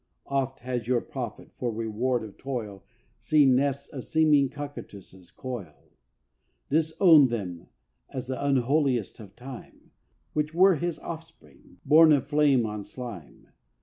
Oft has your prophet, for reward of toil, Seen nests of seeming cockatrices coil: Disowned them as the unholiest of Time, Which were his offspring, born of flame on slime.